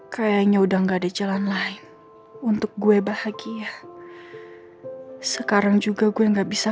kayaknya udah nggak ada jalan lain untuk gue bahagia sekarang juga gue nggak bisa